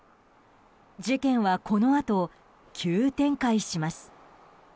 事件はこのあと急展開します。